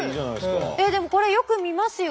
でもこれよく見ますよ。